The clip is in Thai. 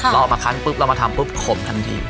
เราเอามาคันปุ๊บเรามาทำปุ๊บขมทันที